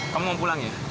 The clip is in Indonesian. kamu mau pulang ya